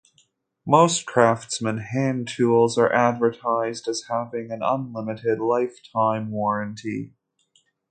Most Craftsman hand tools are advertised as having an unlimited lifetime warranty.